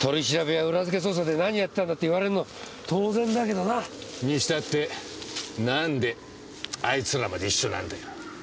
取り調べや裏付け捜査で何やってたんだって言われるの当然だけどな。にしたって何であいつらまで一緒なんだよ。